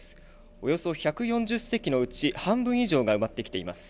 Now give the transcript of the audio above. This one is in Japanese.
およそ１４０席のうち半分以上が埋まってきています。